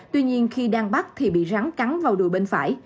tuy nhiên khi đang bắt thì bị rắn cắn vào đùa bên phải